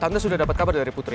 anda sudah dapat kabar dari putri